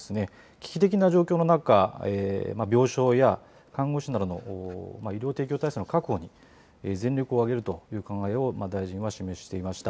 危機的な状況の中、病床や看護師などの医療提供体制の確保に全力を挙げるという考えを大臣は示していました。